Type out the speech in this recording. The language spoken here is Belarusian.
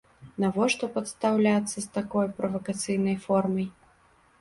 Навошта падстаўляцца з такой правакацыйнай формай?